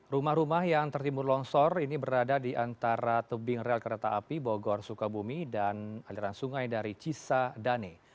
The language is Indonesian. rumah rumah yang tertimbun longsor ini berada di antara tebing rel kereta api bogor sukabumi dan aliran sungai dari cisadane